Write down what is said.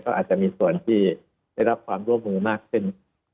ก็อาจจะมีส่วนที่ได้รับความร่วมมือมากขึ้น